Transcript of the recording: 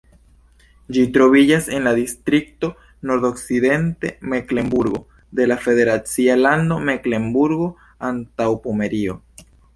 Ĝi troviĝas en la distrikto Nordokcidenta Meklenburgo de la federacia lando Meklenburgo-Antaŭpomerio.